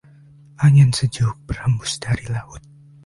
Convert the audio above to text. Angin sejuk berhembus dari laut.